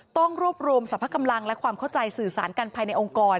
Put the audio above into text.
ต้องรวบรวมสรรพกำลังและความเข้าใจสื่อสารกันภายในองค์กร